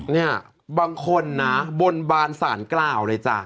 เนี่ยบางคนนะบนบานสารกล่าวเลยจ้ะ